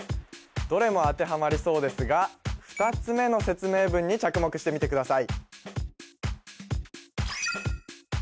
どれも当てはまりそうですが２つ目の説明文に着目してみてください